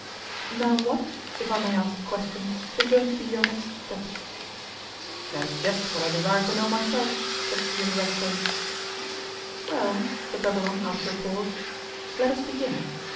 'Now what, if I may ask the question, is going to be your next step?' 'That is just what I desire to know myself,' said Theodore Racksole. 'Well,' said Babylon, after a pause, 'let us begin.